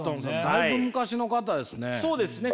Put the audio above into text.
だいぶ昔の方ですね。